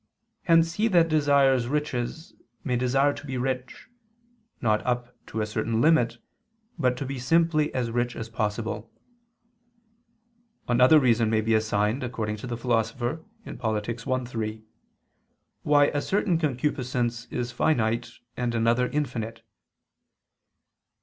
Hence he that desires riches, may desire to be rich, not up to a certain limit, but to be simply as rich as possible. Another reason may be assigned, according to the Philosopher (Polit. i, 3), why a certain concupiscence is finite, and another infinite.